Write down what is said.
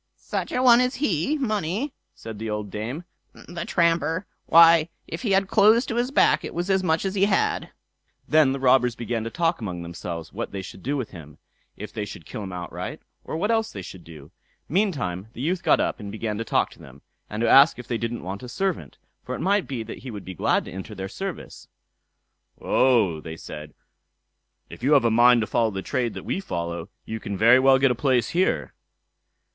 "Such a one as he money!" said the old dame, "the tramper! Why, if he had clothes to his back, it was as much as he had." Then the robbers began to talk among themselves what they should do with him; if they should kill him outright, or what else they should do. Meantime the youth got up and began to talk to them, and to ask if they didn't want a servant, for it might be that he would be glad to enter their service. "Oh", said they, "if you have a mind to follow the trade that we follow, you can very well get a place here."